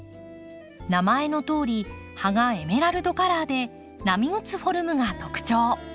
名前のとおり葉がエメラルドカラーで波打つフォルムが特徴。